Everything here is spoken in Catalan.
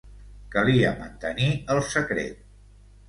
Calia mantenir el secret.